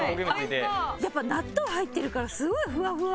やっぱ納豆入ってるからすごいふわふわ。